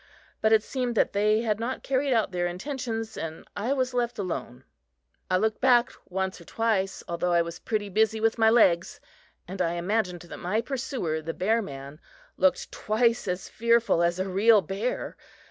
But it seemed that they had not carried out their intentions and I was left alone. I looked back once or twice, although I was pretty busy with my legs, and I imagined that my pursuer, the bear man, looked twice as fearful as a real bear.